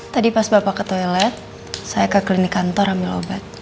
tadi pas bapak ke toilet saya ke klinik kantor ambil obat